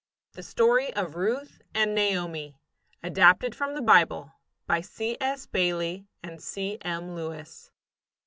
THE STORY OF RUTH AND NAOMI ADAPTED FROM THE BIBLE, BY C. S. BAILEY AND C. M. LEWIS.